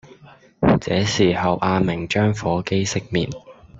這時候阿明將火機熄滅